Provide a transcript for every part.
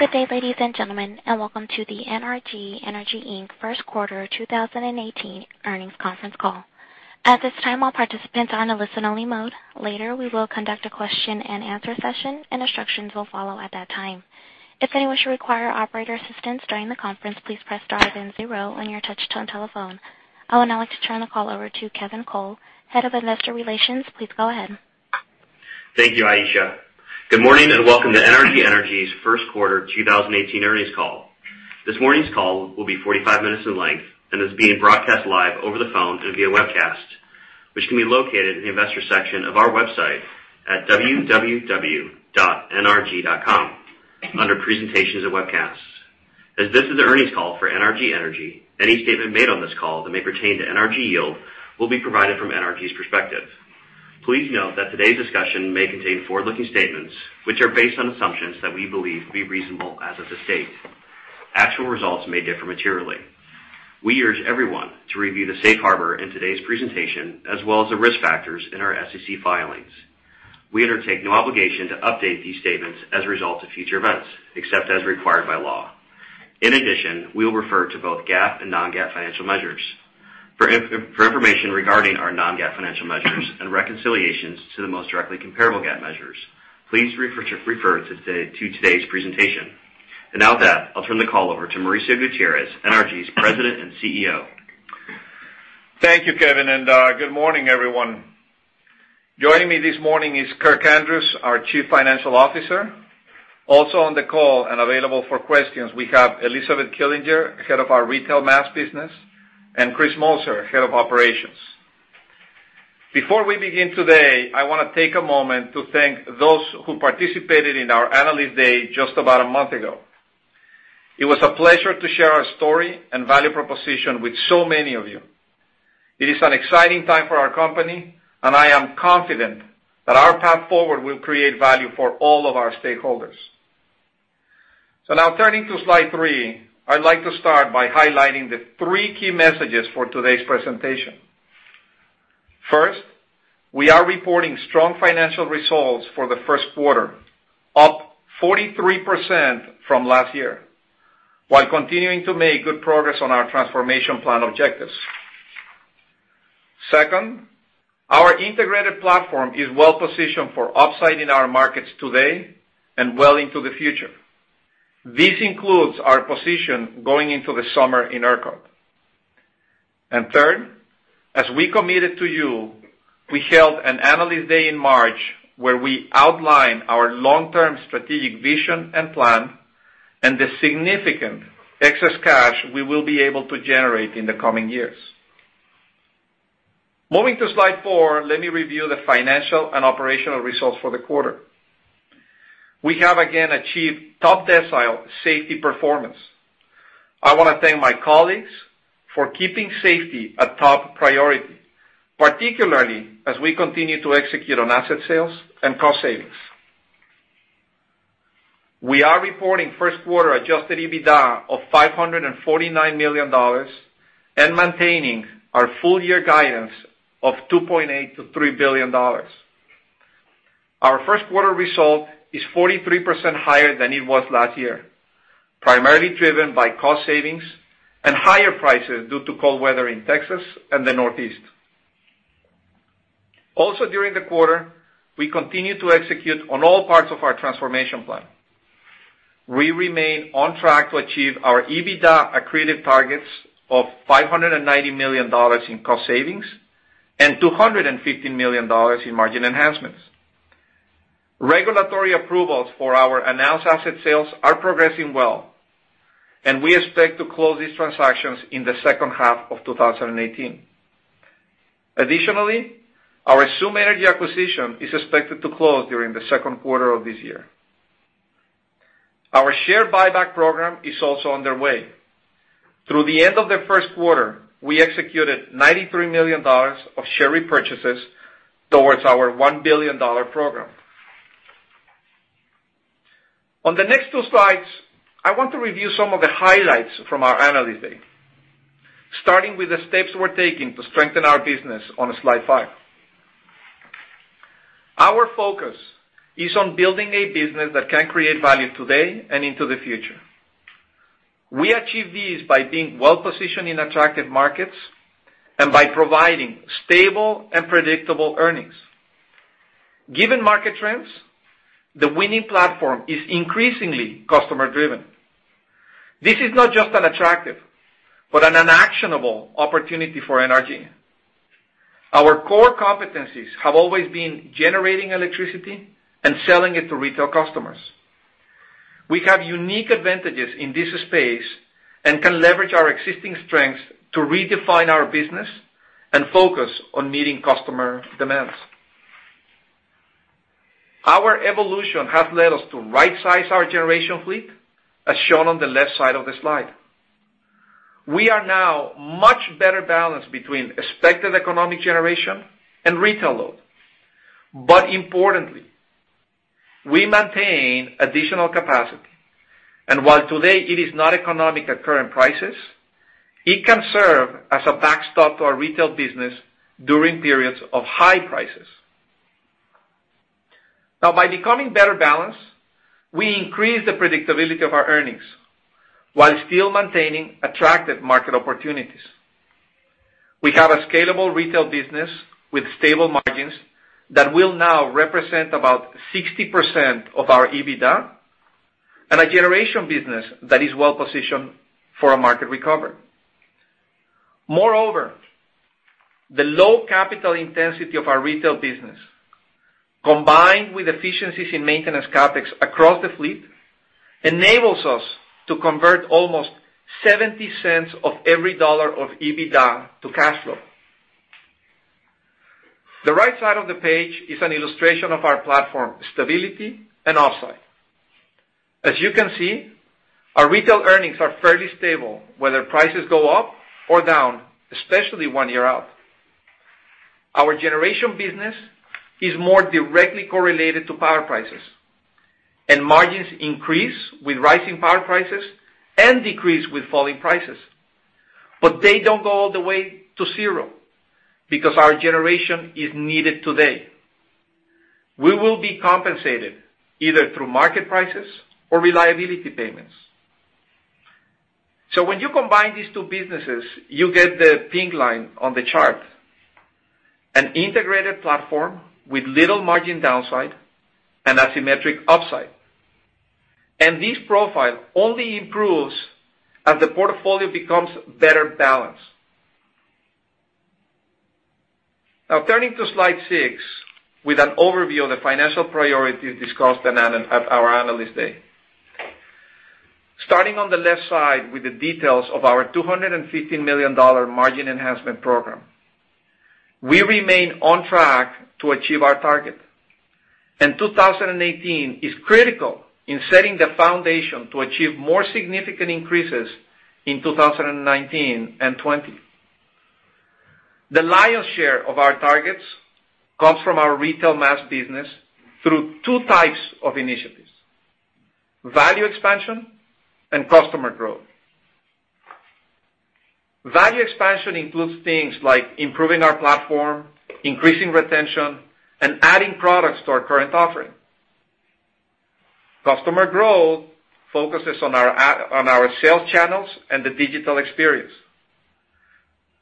Good day, ladies and gentlemen, and welcome to the NRG Energy, Inc. first quarter 2018 earnings conference call. At this time, all participants are in a listen-only mode. Later, we will conduct a question and answer session, and instructions will follow at that time. If anyone should require operator assistance during the conference, please press star then zero on your touch-tone telephone. I would now like to turn the call over to Kevin Cole, Head of Investor Relations. Please go ahead. Thank you, Aisha. Good morning and welcome to NRG Energy's first quarter 2018 earnings call. This morning's call will be 45 minutes in length and is being broadcast live over the phone and via webcast, which can be located in the investor section of our website at www.nrg.com, under presentations and webcasts. As this is the earnings call for NRG Energy, any statement made on this call that may pertain to NRG Yield will be provided from NRG's perspective. Please note that today's discussion may contain forward-looking statements, which are based on assumptions that we believe to be reasonable as of this date. Actual results may differ materially. We urge everyone to review the safe harbor in today's presentation, as well as the risk factors in our SEC filings. We undertake no obligation to update these statements as a result of future events, except as required by law. In addition, we will refer to both GAAP and non-GAAP financial measures. For information regarding our non-GAAP financial measures and reconciliations to the most directly comparable GAAP measures, please refer to today's presentation. Now with that, I'll turn the call over to Mauricio Gutierrez, NRG's President and CEO. Thank you, Kevin, and good morning, everyone. Joining me this morning is Kirk Andrews, our Chief Financial Officer. Also on the call and available for questions, we have Elizabeth Killinger, Head of our Retail Mass business, and Chris Moser, Head of Operations. Before we begin today, I want to take a moment to thank those who participated in our Analyst Day just about a month ago. It was a pleasure to share our story and value proposition with so many of you. It is an exciting time for our company, and I am confident that our path forward will create value for all of our stakeholders. Now turning to slide three, I'd like to start by highlighting the three key messages for today's presentation. We are reporting strong financial results for the first quarter, up 43% from last year, while continuing to make good progress on our transformation plan objectives. Second, our integrated platform is well-positioned for upside in our markets today and well into the future. This includes our position going into the summer in ERCOT. Third, as we committed to you, we held an Analyst Day in March, where we outlined our long-term strategic vision and plan, and the significant excess cash we will be able to generate in the coming years. Moving to slide four, let me review the financial and operational results for the quarter. We have again achieved top decile safety performance. I want to thank my colleagues for keeping safety a top priority, particularly as we continue to execute on asset sales and cost savings. We are reporting first quarter adjusted EBITDA of $549 million and maintaining our full-year guidance of $2.8 billion-$3 billion. Our first quarter result is 43% higher than it was last year, primarily driven by cost savings and higher prices due to cold weather in Texas and the Northeast. During the quarter, we continued to execute on all parts of our transformation plan. We remain on track to achieve our EBITDA accretive targets of $590 million in cost savings and $250 million in margin enhancements. Regulatory approvals for our announced asset sales are progressing well, and we expect to close these transactions in the second half of 2018. Additionally, our XOOM Energy acquisition is expected to close during the second quarter of this year. Our share buyback program is also underway. Through the end of the first quarter, we executed $93 million of share repurchases towards our $1 billion program. On the next two slides, I want to review some of the highlights from our Analyst Day. Starting with the steps we're taking to strengthen our business on slide five. Our focus is on building a business that can create value today and into the future. We achieve this by being well-positioned in attractive markets and by providing stable and predictable earnings. Given market trends, the winning platform is increasingly customer-driven. This is not just an attractive, but an actionable opportunity for NRG. Our core competencies have always been generating electricity and selling it to retail customers. We have unique advantages in this space and can leverage our existing strengths to redefine our business and focus on meeting customer demands. Our evolution has led us to right-size our generation fleet, as shown on the left side of the slide. We are now much better balanced between expected economic generation and retail load. Importantly, we maintain additional capacity, and while today it is not economic at current prices. It can serve as a backstop to our retail business during periods of high prices. By becoming better balanced, we increase the predictability of our earnings while still maintaining attractive market opportunities. We have a scalable retail business with stable margins that will now represent about 60% of our EBITDA and a generation business that is well-positioned for a market recovery. Moreover, the low capital intensity of our retail business, combined with efficiencies in maintenance CapEx across the fleet, enables us to convert almost $0.70 of every $1 of EBITDA to cash flow. The right side of the page is an illustration of our platform stability and upside. As you can see, our retail earnings are fairly stable whether prices go up or down, especially one year out. Our generation business is more directly correlated to power prices. Margins increase with rising power prices and decrease with falling prices. They don't go all the way to zero because our generation is needed today. We will be compensated either through market prices or reliability payments. When you combine these two businesses, you get the pink line on the chart. An integrated platform with little margin downside and asymmetric upside. This profile only improves as the portfolio becomes better balanced. Turning to slide six with an overview of the financial priorities discussed at our Analyst Day. Starting on the left side with the details of our $215 million margin enhancement program. We remain on track to achieve our target, 2018 is critical in setting the foundation to achieve more significant increases in 2019 and 2020. The lion's share of our targets comes from our retail mass business through 2 types of initiatives: value expansion and customer growth. Value expansion includes things like improving our platform, increasing retention, and adding products to our current offering. Customer growth focuses on our sales channels and the digital experience.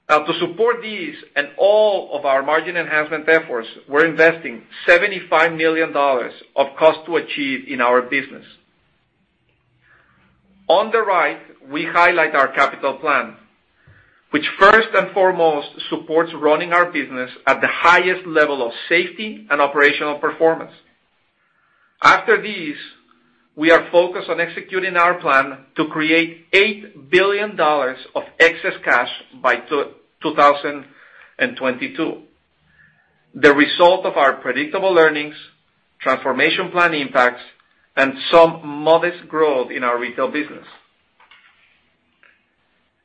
To support these and all of our margin enhancement efforts, we're investing $75 million of cost to achieve in our business. On the right, we highlight our capital plan, which first and foremost supports running our business at the highest level of safety and operational performance. After this, we are focused on executing our plan to create $8 billion of excess cash by 2022. The result of our predictable earnings, transformation plan impacts, and some modest growth in our retail business.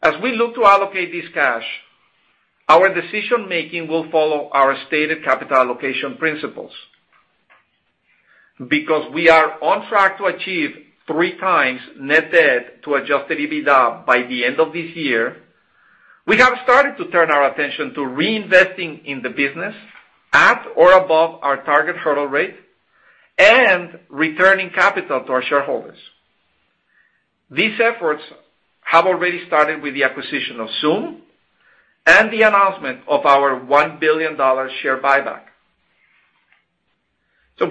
As we look to allocate this cash, our decision-making will follow our stated capital allocation principles. Because we are on track to achieve 3 times net debt to adjusted EBITDA by the end of this year, we have started to turn our attention to reinvesting in the business at or above our target hurdle rate and returning capital to our shareholders. These efforts have already started with the acquisition of XOOM Energy and the announcement of our $1 billion share buyback.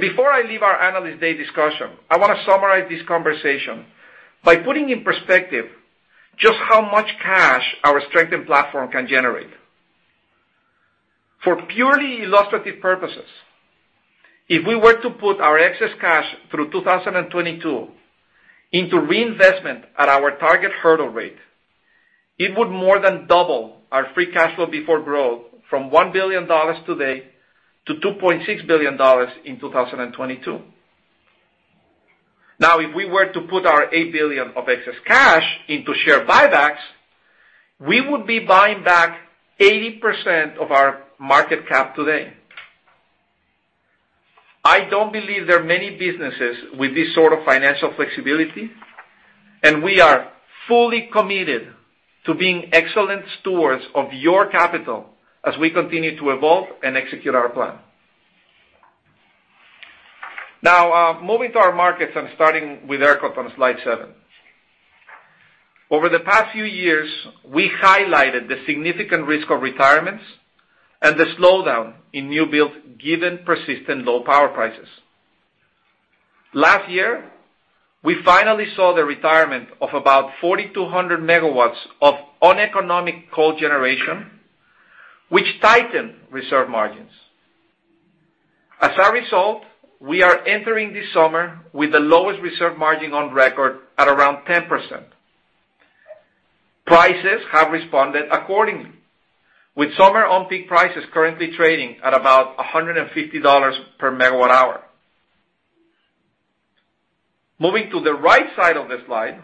Before I leave our Analyst Day discussion, I want to summarize this conversation by putting in perspective just how much cash our strengthened platform can generate. For purely illustrative purposes, if we were to put our excess cash through 2022 into reinvestment at our target hurdle rate, it would more than double our free cash flow before growth from $1 billion today to $2.6 billion in 2022. If we were to put our $8 billion of excess cash into share buybacks, we would be buying back 80% of our market cap today. I don't believe there are many businesses with this sort of financial flexibility, we are fully committed to being excellent stewards of your capital as we continue to evolve and execute our plan. Moving to our markets and starting with ERCOT on slide seven. Over the past few years, we highlighted the significant risk of retirements and the slowdown in new build given persistent low power prices. Last year, we finally saw the retirement of about 4,200 megawatts of uneconomic coal generation, which tightened reserve margins. As a result, we are entering this summer with the lowest reserve margin on record at around 10%. Prices have responded accordingly. With summer on peak prices currently trading at about $150 per megawatt hour. Moving to the right side of the slide,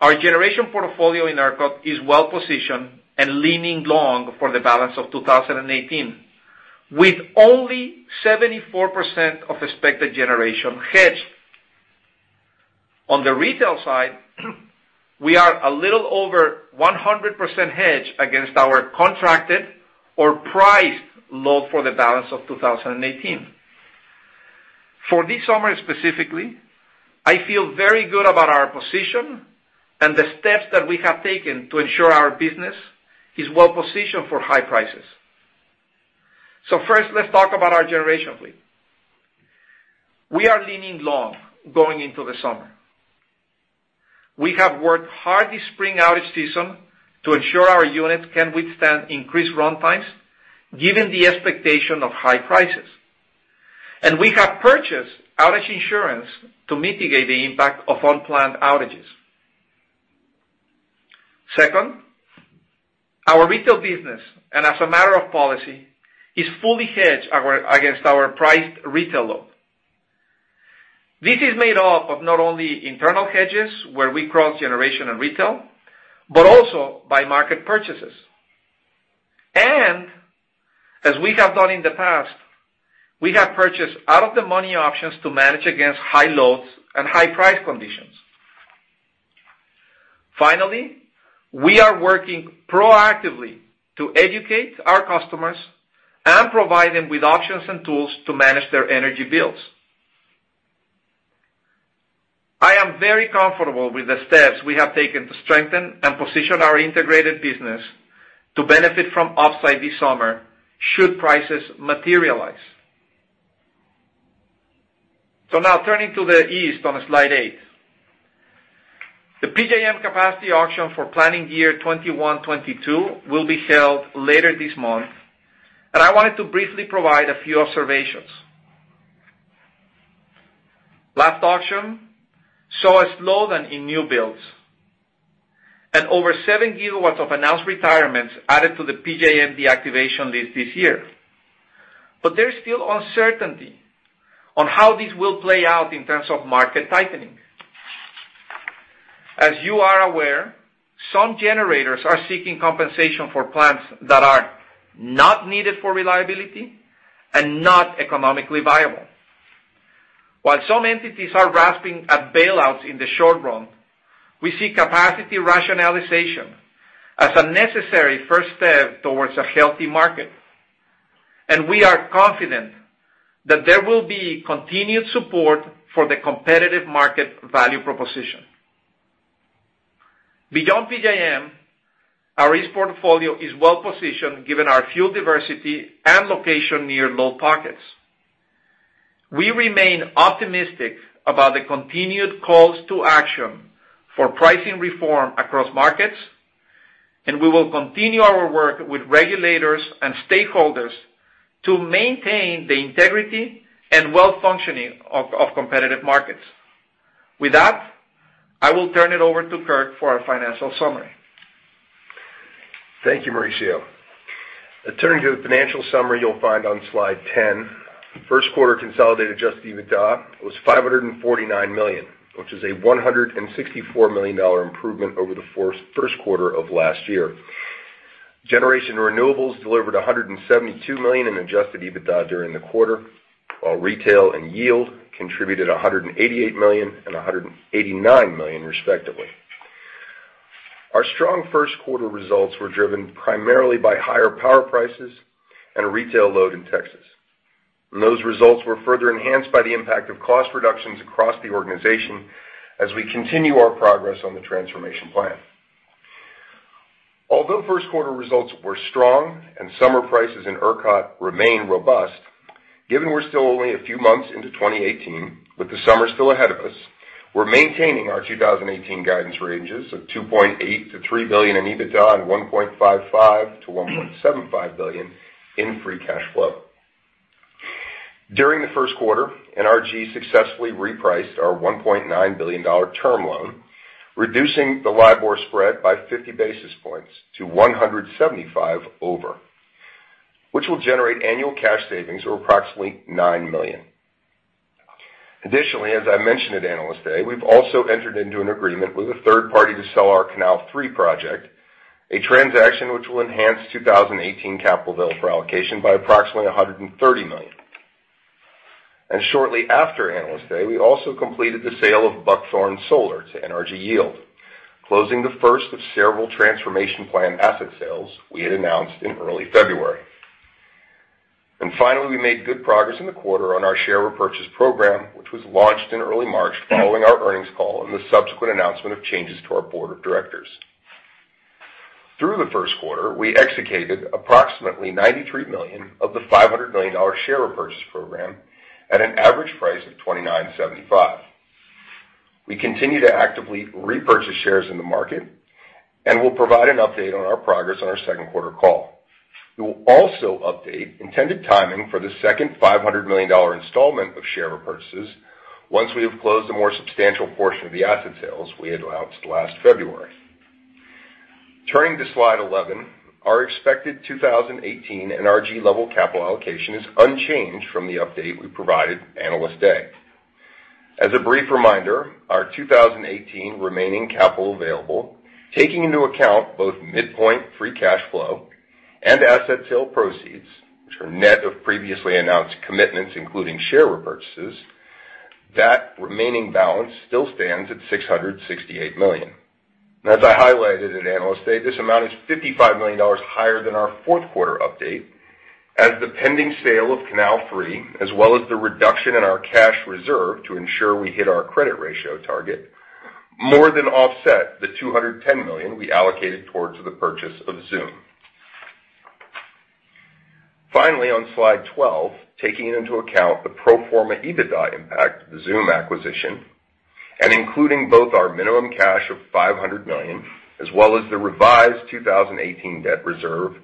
our generation portfolio in ERCOT is well-positioned and leaning long for the balance of 2018. With only 74% of expected generation hedged. On the retail side, we are a little over 100% hedged against our contracted or priced load for the balance of 2018. For this summer specifically, I feel very good about our position and the steps that we have taken to ensure our business is well-positioned for high prices. First, let's talk about our generation fleet. We are leaning long going into the summer. We have worked hard this spring outage season to ensure our units can withstand increased run times given the expectation of high prices. We have purchased outage insurance to mitigate the impact of unplanned outages. Second, our retail business, and as a matter of policy, is fully hedged against our priced retail load. This is made up of not only internal hedges, where we cross generation and retail, but also by market purchases. As we have done in the past, we have purchased out-of-the-money options to manage against high loads and high-price conditions. Finally, we are working proactively to educate our customers and provide them with options and tools to manage their energy bills. I am very comfortable with the steps we have taken to strengthen and position our integrated business to benefit from upside this summer should prices materialize. Now turning to the east on slide 8. The PJM Capacity Auction for planning year 2021-2022 will be held later this month. I wanted to briefly provide a few observations. Last auction saw a slowdown in new builds. Over 7 gigawatts of announced retirements added to the PJM deactivation list this year. There is still uncertainty on how this will play out in terms of market tightening. As you are aware, some generators are seeking compensation for plants that are not needed for reliability and not economically viable. While some entities are grasping at bailouts in the short run, we see capacity rationalization as a necessary first step towards a healthy market. We are confident that there will be continued support for the competitive market value proposition. Beyond PJM, our East portfolio is well-positioned given our fuel diversity and location near load pockets. We remain optimistic about the continued calls to action for pricing reform across markets. We will continue our work with regulators and stakeholders to maintain the integrity and well-functioning of competitive markets. With that, I will turn it over to Kirk for our financial summary. Thank you, Mauricio. Turning to the financial summary you'll find on slide 10. First quarter consolidated adjusted EBITDA was $549 million, which is a $164 million improvement over the first quarter of last year. Generation renewables delivered $172 million in adjusted EBITDA during the quarter, while retail and Yield contributed $188 million and $189 million, respectively. Our strong first quarter results were driven primarily by higher power prices and retail load in Texas. Those results were further enhanced by the impact of cost reductions across the organization as we continue our progress on the transformation plan. Although first quarter results were strong and summer prices in ERCOT remain robust, given we're still only a few months into 2018, with the summer still ahead of us, we're maintaining our 2018 guidance ranges of $2.8 billion-$3 billion in EBITDA and $1.55 billion-$1.75 billion in free cash flow. During the first quarter, NRG successfully repriced our $1.9 billion term loan, reducing the LIBOR spread by 50 basis points to 175 over, which will generate annual cash savings of approximately $9 million. Additionally, as I mentioned at Analyst Day, we've also entered into an agreement with a third party to sell our Canal 3 project, a transaction which will enhance 2018 capital available for allocation by approximately $130 million. Shortly after Analyst Day, we also completed the sale of Buckthorn Solar to NRG Yield, closing the first of several transformation plan asset sales we had announced in early February. Finally, we made good progress in the quarter on our share repurchase program, which was launched in early March following our earnings call and the subsequent announcement of changes to our board of directors. Through the first quarter, we executed approximately $93 million of the $500 million share repurchase program at an average price of $29.75. We continue to actively repurchase shares in the market and will provide an update on our progress on our second quarter call. We will also update intended timing for the second $500 million installment of share repurchases once we have closed a more substantial portion of the asset sales we had announced last February. Turning to slide 11. Our expected 2018 NRG level capital allocation is unchanged from the update we provided Analyst Day. As a brief reminder, our 2018 remaining capital available, taking into account both midpoint free cash flow and asset sale proceeds, which are net of previously announced commitments, including share repurchases. That remaining balance still stands at $668 million. As I highlighted at Analyst Day, this amount is $55 million higher than our fourth quarter update, as the pending sale of Canal 3, as well as the reduction in our cash reserve to ensure we hit our credit ratio target, more than offset the $210 million we allocated towards the purchase of XOOM Energy. Finally, on slide 12, taking into account the pro forma EBITDA impact of the XOOM Energy acquisition, and including both our minimum cash of $500 million, as well as the revised 2018 debt reserve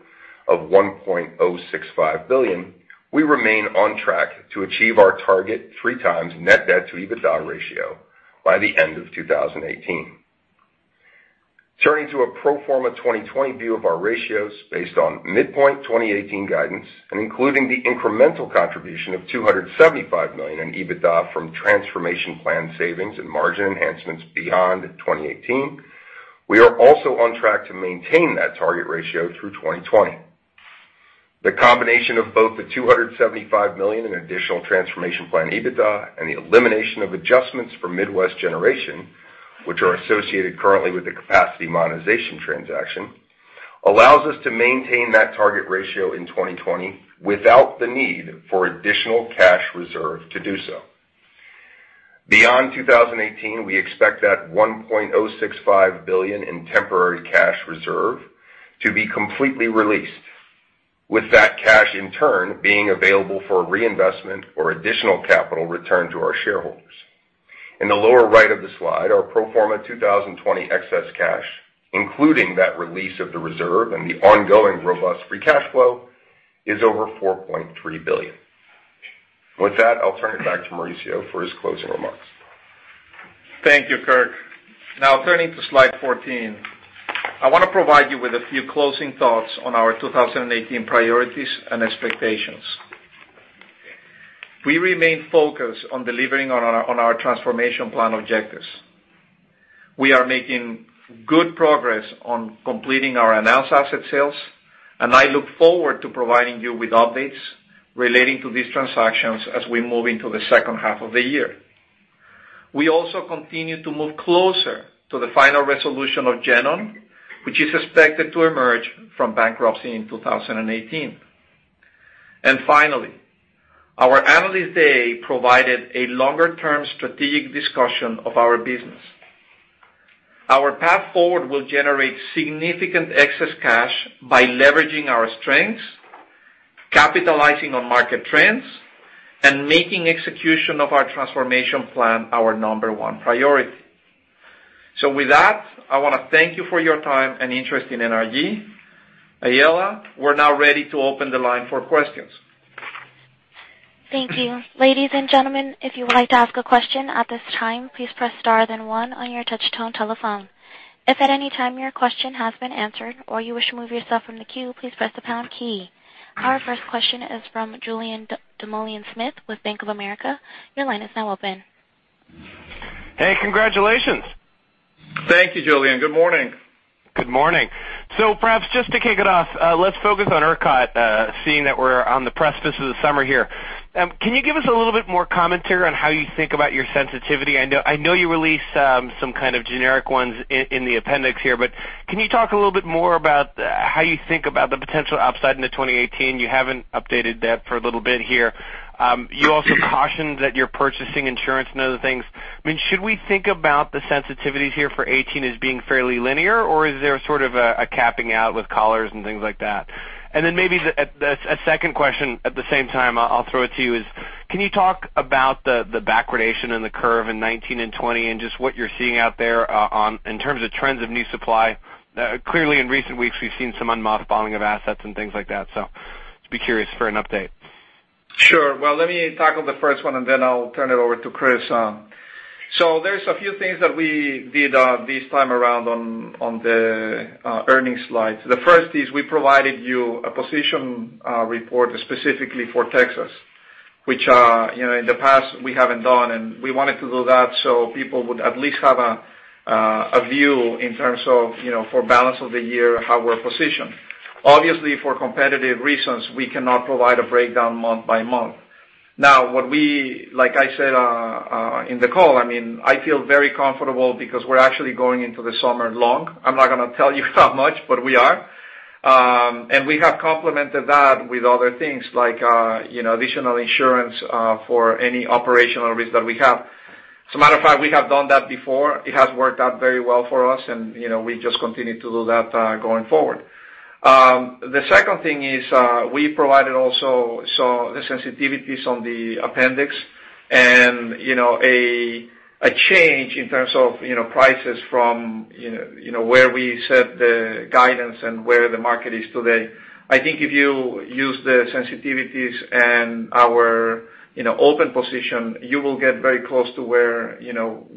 of $1.065 billion, we remain on track to achieve our target three times net debt to EBITDA ratio by the end of 2018. Turning to a pro forma 2020 view of our ratios based on midpoint 2018 guidance, and including the incremental contribution of $275 million in EBITDA from transformation plan savings and margin enhancements beyond 2018, we are also on track to maintain that target ratio through 2020. The combination of both the $275 million in additional transformation plan EBITDA and the elimination of adjustments for Midwest Generation, which are associated currently with the capacity monetization transaction, allows us to maintain that target ratio in 2020 without the need for additional cash reserve to do so. Beyond 2018, we expect that $1.065 billion in temporary cash reserve to be completely released, with that cash in turn being available for reinvestment or additional capital return to our shareholders. In the lower right of the slide, our pro forma 2020 excess cash, including that release of the reserve and the ongoing robust free cash flow, is over $4.3 billion. With that, I'll turn it back to Mauricio for his closing remarks. Thank you, Kirk. Now, turning to slide 14. I want to provide you with a few closing thoughts on our 2018 priorities and expectations. We remain focused on delivering on our transformation plan objectives. We are making good progress on completing our announced asset sales, and I look forward to providing you with updates relating to these transactions as we move into the second half of the year. We also continue to move closer to the final resolution of GenOn, which is expected to emerge from bankruptcy in 2018. Finally, our Analyst Day provided a longer-term strategic discussion of our business. Our path forward will generate significant excess cash by leveraging our strengths, capitalizing on market trends, and making execution of our transformation plan our number one priority. With that, I want to thank you for your time and interest in NRG. Aiella, we're now ready to open the line for questions. Thank you. Ladies and gentlemen, if you would like to ask a question at this time, please press star then one on your touch tone telephone. If at any time your question has been answered or you wish to remove yourself from the queue, please press the pound key. Our first question is from Julien Dumoulin-Smith with Bank of America. Your line is now open. Hey, congratulations. Thank you, Julien. Good morning. Good morning. Perhaps just to kick it off, let's focus on ERCOT, seeing that we're on the precipice of the summer here. Can you give us a little bit more commentary on how you think about your sensitivity? I know you released some kind of generic ones in the appendix here. Can you talk a little bit more about how you think about the potential upside into 2018? You haven't updated that for a little bit here. You also cautioned that you're purchasing insurance and other things. Should we think about the sensitivities here for 2018 as being fairly linear, or is there sort of a capping out with collars and things like that? Maybe a second question at the same time I'll throw it to you is, can you talk about the backwardation in the curve in 2019 and 2020 and just what you're seeing out there in terms of trends of new supply? Clearly, in recent weeks, we've seen some unmooring of assets and things like that. Just be curious for an update. Well, let me tackle the first one, then I'll turn it over to Chris. There's a few things that we did this time around on the earnings slides. The first is we provided you a position report specifically for Texas, which in the past we haven't done, and we wanted to do that so people would at least have a view in terms of for balance of the year, how we're positioned. Obviously, for competitive reasons, we cannot provide a breakdown month by month. Like I said in the call, I feel very comfortable because we're actually going into the summer long. I'm not going to tell you that much, but we are. We have complemented that with other things like additional insurance for any operational risk that we have. As a matter of fact, we have done that before. It has worked out very well for us, we just continue to do that going forward. The second thing is we provided also the sensitivities on the appendix and a change in terms of prices from where we set the guidance and where the market is today. I think if you use the sensitivities and our open position, you will get very close to where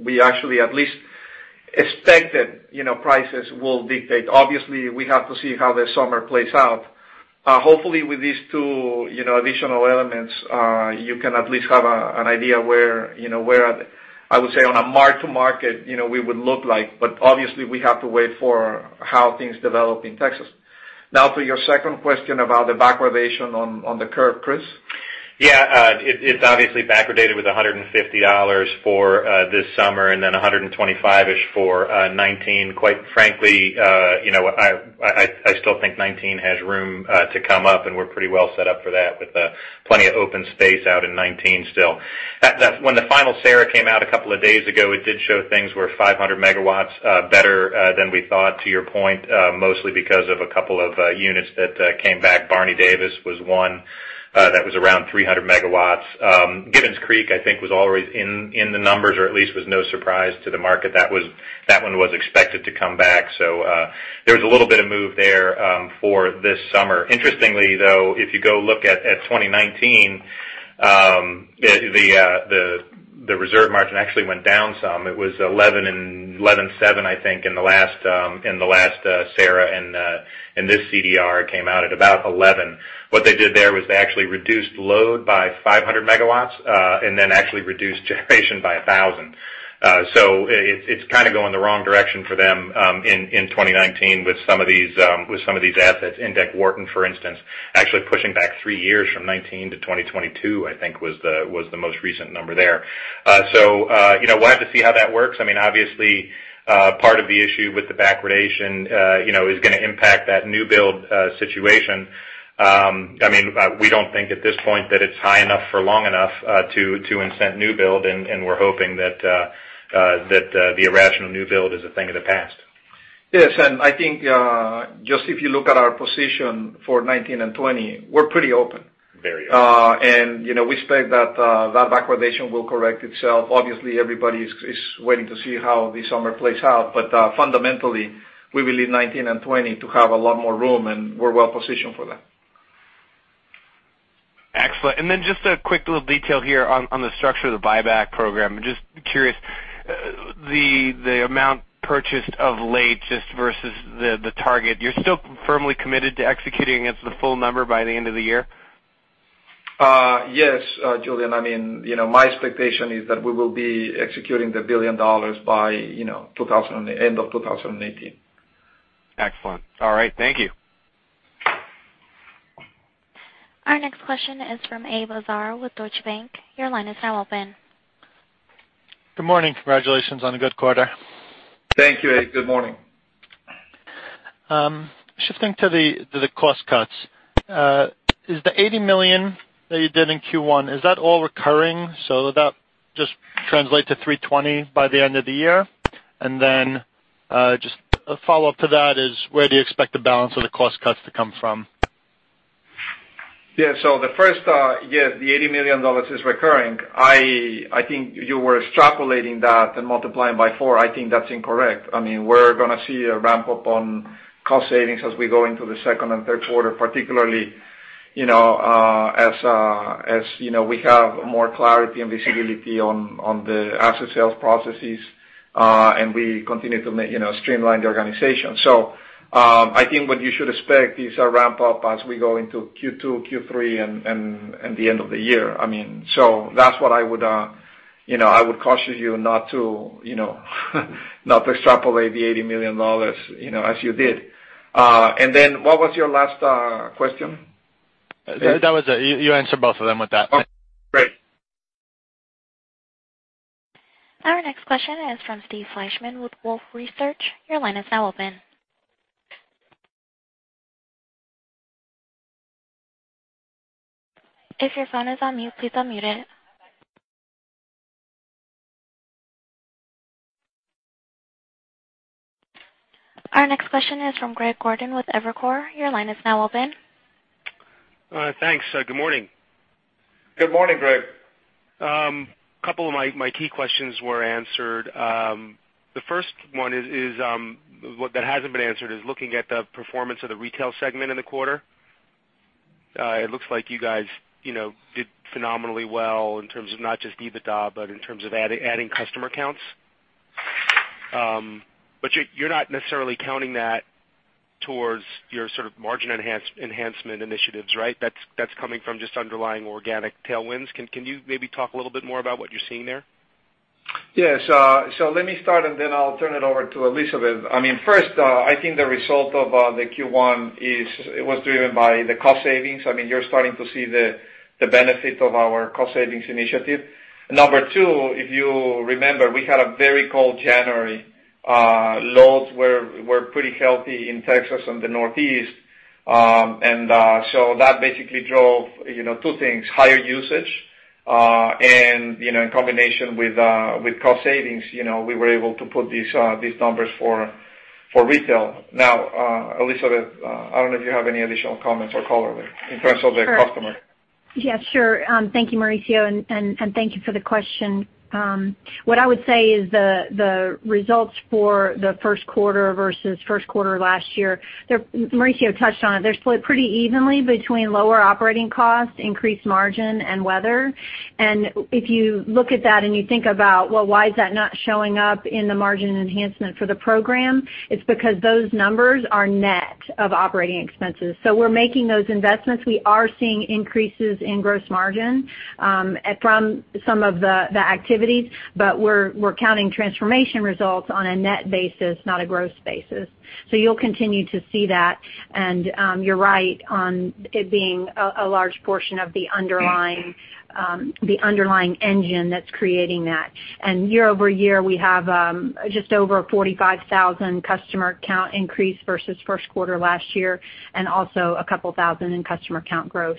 we actually at least expected prices will dictate. Obviously, we have to see how the summer plays out. Hopefully, with these two additional elements, you can at least have an idea where I would say on a mark-to-market, we would look like, but obviously we have to wait for how things develop in Texas. To your second question about the backwardation on the curve, Chris? Yeah. It's obviously backwardated with $150 for this summer, then 125-ish for 2019. Quite frankly, I still think 2019 has room to come up, and we're pretty well set up for that with plenty of open space out in 2019 still. When the final SARA came out a couple of days ago, it did show things were 500 MW better than we thought, to your point, mostly because of a couple of units that came back. Barney Davis was one that was around 300 MW. Gibbons Creek, I think, was already in the numbers or at least was no surprise to the market. That one was expected to come back. There was a little bit of move there for this summer. Interestingly, though, if you go look at 2019, the reserve margin actually went down some. It was 11.7%, I think, in the last SARA. This CDR came out at about 11. What they did there was they actually reduced load by 500 megawatts. Then actually reduced generation by 1,000. It's kind of going the wrong direction for them in 2019 with some of these assets. Indeck Wharton, for instance, actually pushing back three years from 2019 to 2022, I think was the most recent number there. We'll have to see how that works. Obviously, part of the issue with the backwardation is going to impact that new build situation. We don't think at this point that it's high enough for long enough to incent new build. We're hoping that the irrational new build is a thing of the past. Yes. I think, just if you look at our position for 2019 and 2020, we're pretty open. Very open. We expect that that backwardation will correct itself. Obviously, everybody is waiting to see how the summer plays out. Fundamentally, we will need 2019 and 2020 to have a lot more room. We're well positioned for that. Excellent. Then just a quick little detail here on the structure of the buyback program. I am just curious, the amount purchased of late, just versus the target. You are still firmly committed to executing against the full number by the end of the year? Yes. Julien, my expectation is that we will be executing the $1 billion by end of 2018. Excellent. All right. Thank you. Our next question is from Abe Lazar with Deutsche Bank. Your line is now open. Good morning. Congratulations on a good quarter. Thank you, Abe. Good morning. Shifting to the cost cuts. Is the $80 million that you did in Q1, is that all recurring? Will that just translate to $320 million by the end of the year? Just a follow-up to that is, where do you expect the balance of the cost cuts to come from? Yeah. The first, yes, the $80 million is recurring. I think you were extrapolating that and multiplying by four. I think that's incorrect. We're going to see a ramp-up on cost savings as we go into the second and third quarter, particularly, as we have more clarity and visibility on the asset sales processes, and we continue to streamline the organization. I think what you should expect is a ramp-up as we go into Q2, Q3, and the end of the year. That's what I would caution you not to extrapolate the $80 million, as you did. What was your last question? That was it. You answered both of them with that. Okay, great. Our next question is from Steve Fleishman with Wolfe Research. Your line is now open. If your phone is on mute, please unmute it. Our next question is from Greg Gordon with Evercore. Your line is now open. Thanks. Good morning. Good morning, Greg. A couple of my key questions were answered. The first one that hasn't been answered is looking at the performance of the retail segment in the quarter. It looks like you guys did phenomenally well in terms of not just EBITDA, but in terms of adding customer counts. You're not necessarily counting that towards your sort of margin enhancement initiatives, right? That's coming from just underlying organic tailwinds. Can you maybe talk a little bit more about what you're seeing there? Yes. Let me start, and then I'll turn it over to Elizabeth. First, I think the result of the Q1, it was driven by the cost savings. You're starting to see the benefit of our cost savings initiative. Number 2, if you remember, we had a very cold January. Loads were pretty healthy in Texas and the Northeast. That basically drove two things, higher usage, and in combination with cost savings, we were able to put these numbers for retail. Elizabeth, I don't know if you have any additional comments or color in terms of the customer. Yeah, sure. Thank you, Mauricio, and thank you for the question. What I would say is the results for the first quarter versus first quarter last year, Mauricio touched on it. They're split pretty evenly between lower operating costs, increased margin, and weather. If you look at that and you think about, well, why is that not showing up in the margin enhancement for the program? It's because those numbers are net of operating expenses. We're making those investments. We are seeing increases in gross margin from some of the activities. We're counting transformation results on a net basis, not a gross basis. You'll continue to see that. You're right on it being a large portion of the underlying engine that's creating that. Year-over-year, we have just over 45,000 customer count increase versus first quarter last year, and also a couple thousand in customer count growth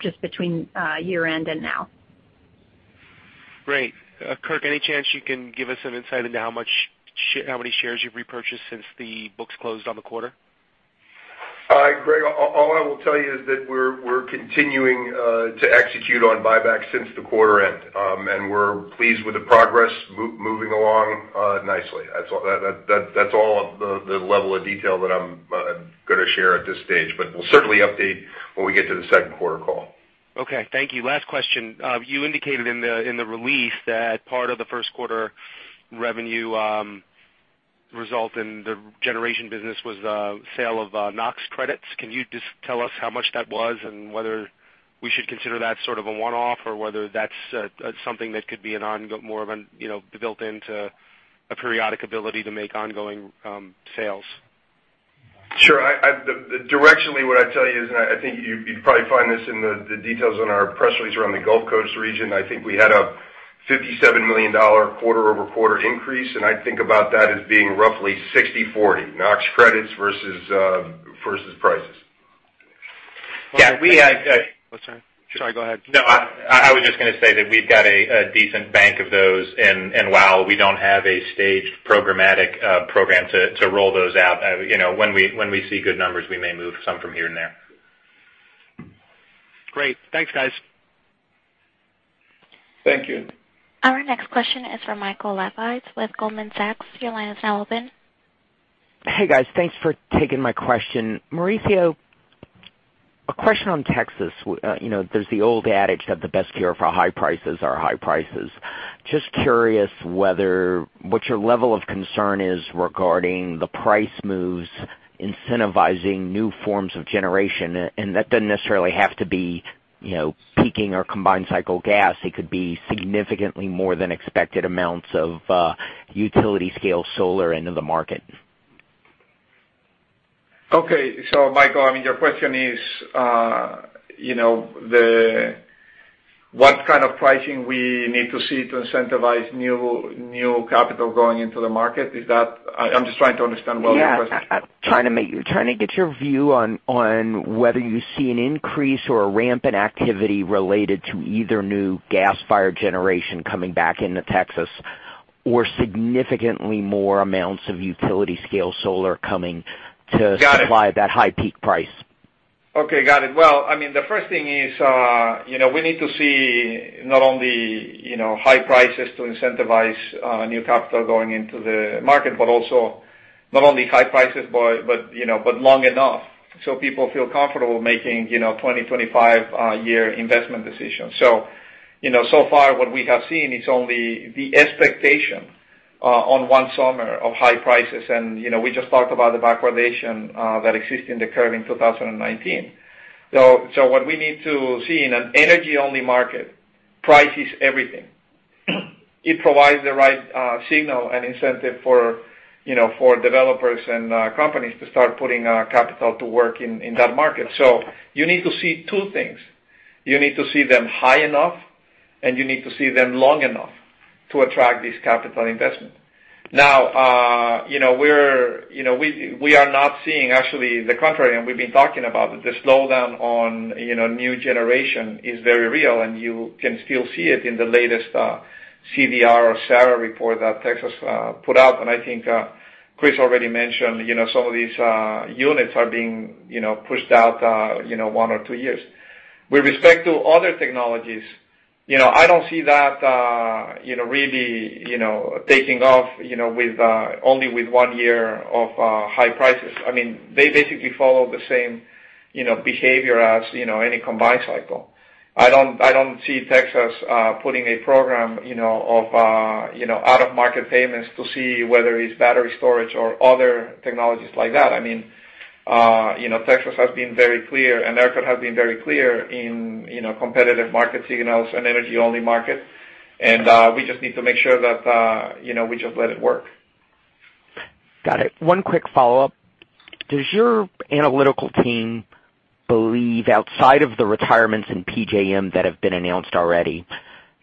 just between year-end and now. Great. Kirk, any chance you can give us some insight into how many shares you've repurchased since the books closed on the quarter? Greg, all I will tell you is that we're continuing to execute on buybacks since the quarter-end. We're pleased with the progress moving along nicely. That's all the level of detail that I'm going to share at this stage, but we'll certainly update when we get to the second quarter call. Okay. Thank you. Last question. You indicated in the release that part of the first quarter revenue result in the generation business was the sale of NOx credits. Can you just tell us how much that was and whether we should consider that sort of a one-off or whether that's something that could be more of a built-in to a periodic ability to make ongoing sales? Sure. Directionally, what I'd tell you is, and I think you'd probably find this in the details on our press release around the Gulf Coast region. I think we had a $57 million quarter-over-quarter increase, and I think about that as being roughly 60/40, NOx credits versus prices. Yeah, we had Sorry, go ahead. No, I was just going to say that we've got a decent bank of those, while we don't have a staged programmatic program to roll those out, when we see good numbers, we may move some from here and there. Great. Thanks, guys. Thank you. Our next question is from Michael Lapides with Goldman Sachs. Your line is now open. Hey, guys. Thanks for taking my question. Mauricio, a question on Texas. There's the old adage that the best cure for high prices are high prices. Just curious what your level of concern is regarding the price moves incentivizing new forms of generation, and that doesn't necessarily have to be peaking or combined cycle gas. It could be significantly more than expected amounts of utility scale solar into the market. Okay. Michael, your question is what kind of pricing we need to see to incentivize new capital going into the market? I'm just trying to understand what your question is. Yeah. I'm trying to get your view on whether you see an increase or a ramp in activity related to either new gas-fired generation coming back into Texas or significantly more amounts of utility scale solar. Got it supply that high peak price. Okay, got it. Well, the first thing is we need to see not only high prices to incentivize new capital going into the market, but also not only high prices, but long enough so people feel comfortable making 20, 25-year investment decisions. So far what we have seen is only the expectation on one summer of high prices, and we just talked about the backwardation that exists in the curve in 2019. What we need to see in an energy-only market, price is everything. It provides the right signal and incentive for developers and companies to start putting capital to work in that market. You need to see two things. You need to see them high enough, and you need to see them long enough to attract this capital investment. We are not seeing, actually the contrary, We've been talking about the slowdown on new generation is very real, and you can still see it in the latest CDR or SARA report that Texas put out. I think Chris already mentioned some of these units are being pushed out one or two years. With respect to other technologies, I don't see that really taking off only with one year of high prices. They basically follow the same behavior as any combined cycle. I don't see Texas putting a program of out-of-market payments to see whether it's battery storage or other technologies like that. Texas has been very clear, and ERCOT has been very clear in competitive market signals and energy-only market, We just need to make sure that we just let it work. Got it. One quick follow-up. Does your analytical team believe outside of the retirements in PJM that have been announced already,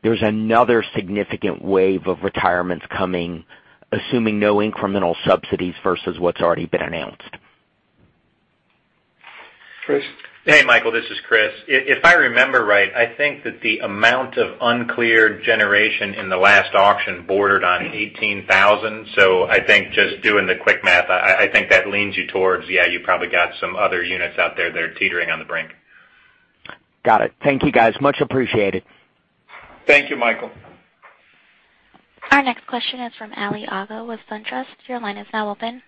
there's another significant wave of retirements coming, assuming no incremental subsidies versus what's already been announced? Chris? Hey, Michael, this is Chris. If I remember right, I think that the amount of uncleared generation in the last auction bordered on 18,000. I think just doing the quick math, I think that leans you towards, yeah, you probably got some other units out there that are teetering on the brink. Got it. Thank you, guys. Much appreciated. Thank you, Michael. Our next question is from Ali Agha with SunTrust. Your line is now open.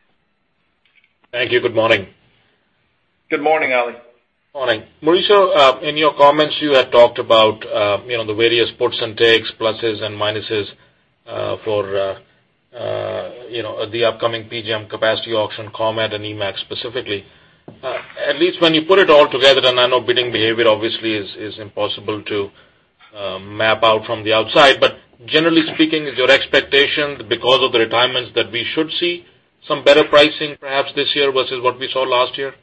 Thank you. Good morning. Good morning, Ali. Morning. Mauricio, in your comments, you had talked about the various ports and takes, pluses and minuses for the upcoming PJM capacity auction, ComEd and MAAC specifically. At least when you put it all together, and I know bidding behavior obviously is impossible to map out from the outside, generally speaking, is your expectation because of the retirements that we should see some better pricing perhaps this year versus what we saw last year?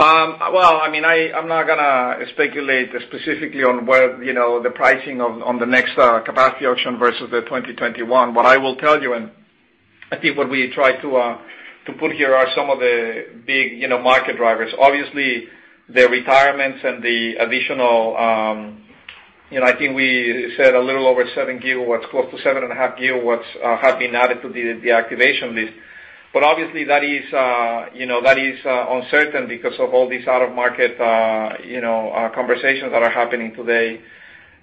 Well, I'm not going to speculate specifically on the pricing on the next capacity auction versus the 2021. What I will tell you, and I think what we try to put here are some of the big market drivers. Obviously, the retirements and the additional, I think we said a little over 7 gigawatts, close to 7.5 gigawatts, have been added to the deactivation list. Obviously that is uncertain because of all these out-of-market conversations that are happening today.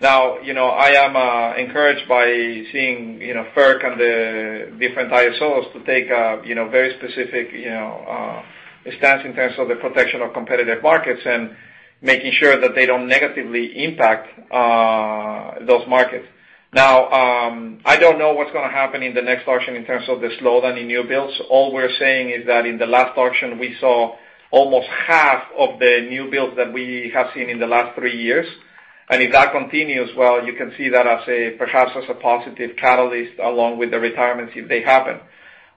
I am encouraged by seeing FERC and the different ISOs to take a very specific stance in terms of the protection of competitive markets and making sure that they don't negatively impact those markets. I don't know what's going to happen in the next auction in terms of the slowdown in new builds. All we're saying is that in the last auction, we saw almost half of the new builds that we have seen in the last three years. If that continues, well, you can see that perhaps as a positive catalyst along with the retirements if they happen.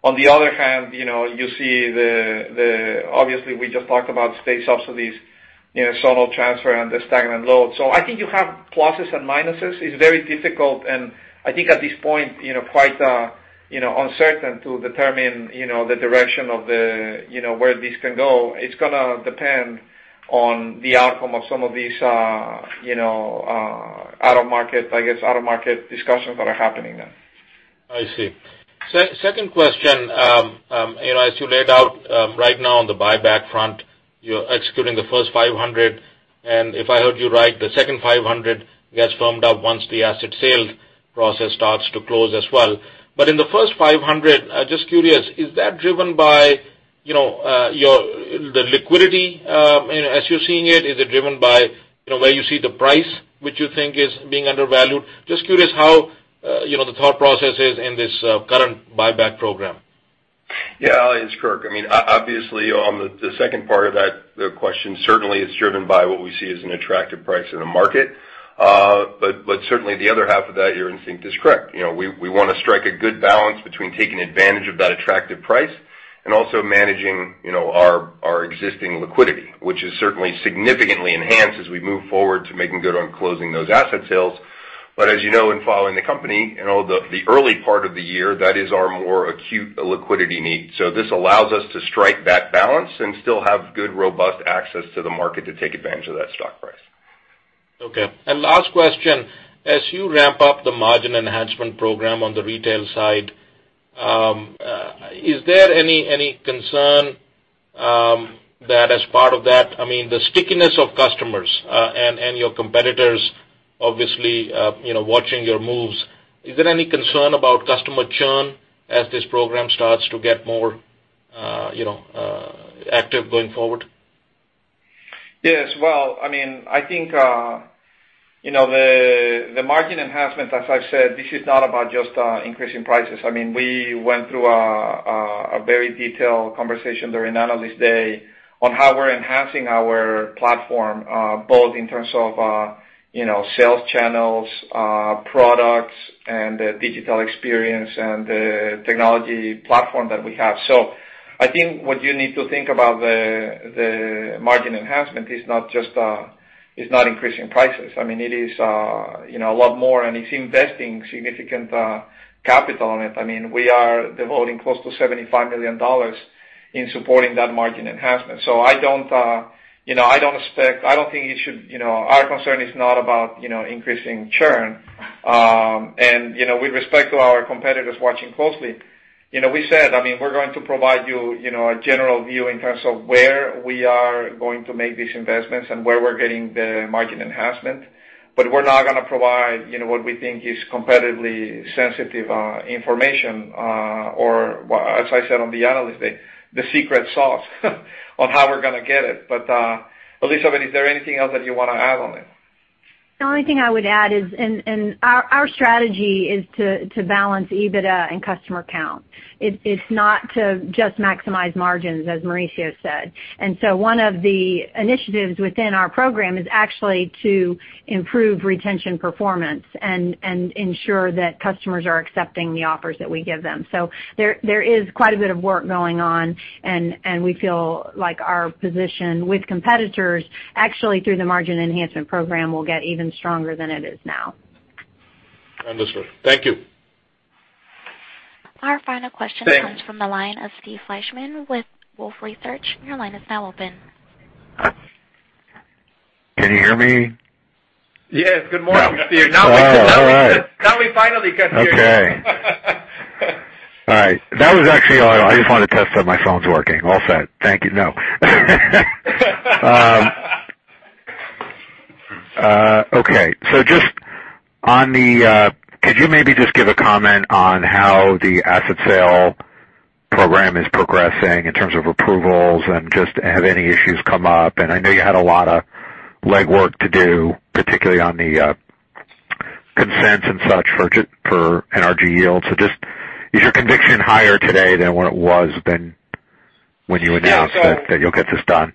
On the other hand, you see obviously we just talked about state subsidies, zonal transfer and the stagnant load. I think you have pluses and minuses. It's very difficult, and I think at this point, quite uncertain to determine the direction of where this can go. It's going to depend on the outcome of some of these out-of-market discussions that are happening now. I see. Second question. As you laid out right now on the buyback front, you're executing the first $500, and if I heard you right, the second $500 gets firmed up once the asset sale process starts to close as well. In the first $500, just curious, is that driven by the liquidity as you're seeing it? Is it driven by where you see the price, which you think is being undervalued? Just curious how the thought process is in this current buyback program. Yeah, Ali, it's Kirk. Obviously, on the second part of that question, certainly it's driven by what we see as an attractive price in the market. Certainly the other half of that you're in sync is correct. We want to strike a good balance between taking advantage of that attractive price and also managing our existing liquidity, which is certainly significantly enhanced as we move forward to making good on closing those asset sales. As you know, in following the company, the early part of the year, that is our more acute liquidity need. This allows us to strike that balance and still have good, robust access to the market to take advantage of that stock price. Okay. Last question. As you ramp up the margin enhancement program on the retail side, is there any concern that as part of that, the stickiness of customers, and your competitors obviously watching your moves, is there any concern about customer churn as this program starts to get more active going forward? Yes. I think the margin enhancement, as I've said, this is not about just increasing prices. We went through a very detailed conversation during Analyst Day on how we're enhancing our platform both in terms of sales channels, products, and the digital experience and the technology platform that we have. I think what you need to think about the margin enhancement is not increasing prices. It is a lot more, and it's investing significant capital in it. We are devoting close to $75 million in supporting that margin enhancement. Our concern is not about increasing churn. With respect to our competitors watching closely, we said we're going to provide you a general view in terms of where we are going to make these investments and where we're getting the margin enhancement. We're not going to provide what we think is competitively sensitive information, or as I said on the Analyst Day, the secret sauce on how we're going to get it. Elizabeth, is there anything else that you want to add on it? The only thing I would add is our strategy is to balance EBITDA and customer count. It's not to just maximize margins, as Mauricio said. One of the initiatives within our program is actually to improve retention performance and ensure that customers are accepting the offers that we give them. There is quite a bit of work going on, and we feel like our position with competitors, actually through the Margin Enhancement Program, will get even stronger than it is now. Understood. Thank you. Our final question comes from the line of Steve Fleishman with Wolfe Research. Your line is now open. Can you hear me? Yes. Good morning, Steve. Oh, all right. Now we finally can hear you. Okay. All right. That was actually all. I just wanted to test that my phone's working. All set. Thank you. No. Okay. Could you maybe just give a comment on how the asset sale program is progressing in terms of approvals and just have any issues come up? I know you had a lot of legwork to do, particularly on the consents and such for NRG Yield. Just, is your conviction higher today than what it was than when you announced that you'll get this done?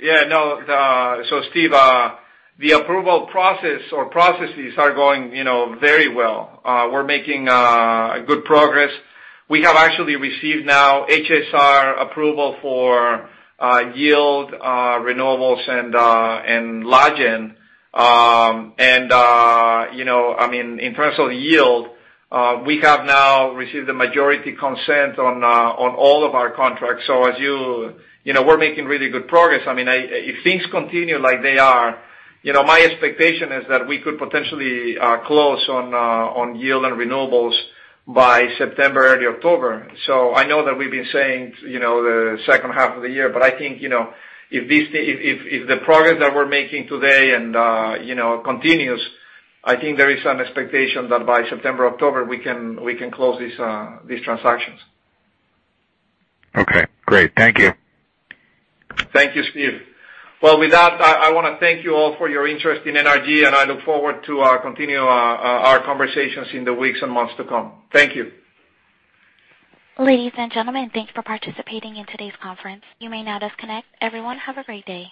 Yeah, no. Steve, the approval process or processes are going very well. We're making good progress. We have actually received now HSR approval for Yield, Renewables, and Logan. In terms of Yield, we have now received the majority consent on all of our contracts. We're making really good progress. If things continue like they are, my expectation is that we could potentially close on Yield and Renewables by September, early October. I know that we've been saying the second half of the year, but I think, if the progress that we're making today continues, I think there is an expectation that by September, October, we can close these transactions. Okay, great. Thank you. Thank you, Steve. Well, with that, I want to thank you all for your interest in NRG, I look forward to continue our conversations in the weeks and months to come. Thank you. Ladies and gentlemen, thank you for participating in today's conference. You may now disconnect. Everyone, have a great day.